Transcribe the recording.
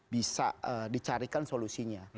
bisa dicarikan solusinya